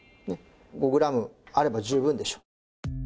５グラムあれば十分でしょう。